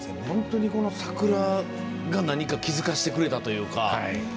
本当に、この桜が気付かせてくれたというか。